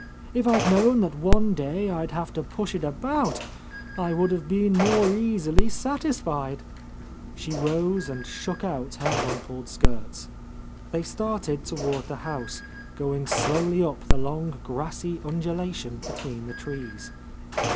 If I'd known that one day I'd have to push it about, I would have been more easily satis fied!" She rose and shook out her rumpled skirts. They started toward the house, going slowly up the long, grassy undulation between the trees.